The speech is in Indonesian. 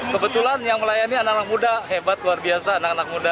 kebetulan yang melayani anak anak muda hebat luar biasa anak anak muda